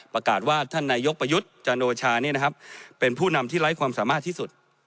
ประกาศว่าท่านนายกประยุทธ์จันโอชาเป็นผู้นำที่ไร้ความสามารถที่สุด